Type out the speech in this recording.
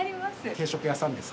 定食屋さんです。